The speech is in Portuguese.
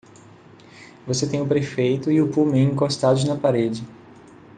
Você tem o prefeito e o Pullman encostados na parede.